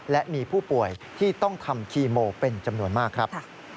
และมีผู้ป่วยที่ต้องทำคีโมเป็นจำนวนมากครับ